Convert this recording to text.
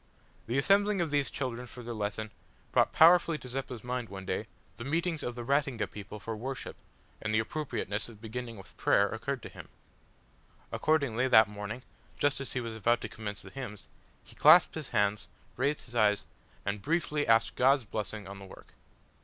The assembling of these children for their lesson brought powerfully to Zeppa's mind, one day, the meetings of the Ratinga people for worship, and the appropriateness of beginning with prayer occurred to him. Accordingly, that morning, just as he was about to commence the hymns, he clasped his hands, raised his eyes, and briefly asked God's blessing on the work.